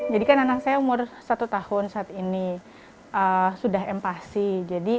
jadi kan anak saya umur satu tahun saat ini sudah empasi